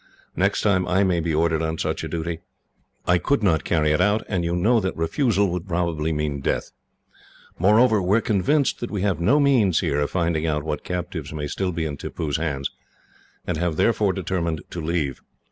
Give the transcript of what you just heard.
Next time I may be ordered on such a duty. I could not carry it out, and you know that refusal would probably mean death. Moreover, we are convinced that we have no means, here, of finding out what captives may still be in Tippoo's hands, and have therefore determined to leave.